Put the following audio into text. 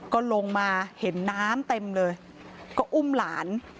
ก็ลงมาเห็นน้ำเต็มเลยก็อุ้มหลาน